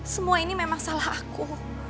semua ini memang salah aku